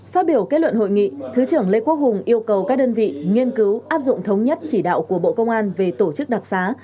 phát biểu kết luận hội nghị thứ trưởng lê quốc hùng yêu cầu các đơn vị nghiên cứu áp dụng thống nhất chỉ đạo của bộ công an về tổ chức đặc xá